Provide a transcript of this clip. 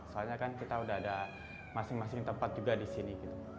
soalnya kan kita udah ada masing masing tempat juga di sini